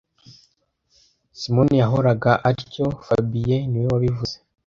Simoni yahoraga atyo fabien niwe wabivuze